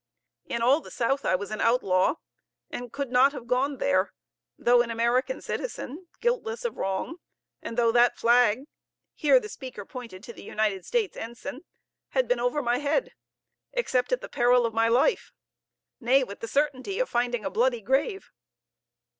In all the South I was an outlaw, and could not have gone there, though an American citizen guiltless of wrong, and though that flag (here the speaker pointed to the United States ensign) had been over my head, except at the peril of my life; nay, with the certainty of finding a bloody grave.